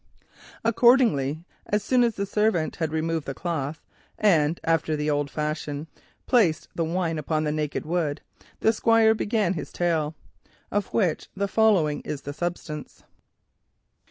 Accordingly, when the servants had removed the cloth, and after the old fashion placed the wine upon the naked wood, the Squire began his tale, of which the following is the substance.